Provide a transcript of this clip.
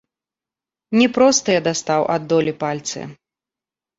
Не простыя дастаў ад долі пальцы.